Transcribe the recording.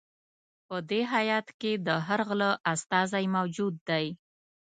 په دې هیات کې د هر غله استازی موجود دی.